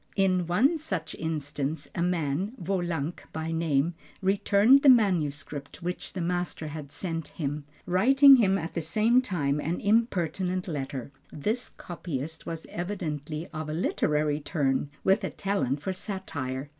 In one such instance a man, Wolanck by name, returned the manuscript which the master had sent him, writing him at the same time an impertinent letter. This copyist was evidently of a literary turn, with a talent for satire.